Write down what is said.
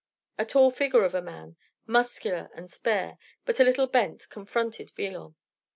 A tall figure of a man, muscular and spare, but a little bent, confronted Villon.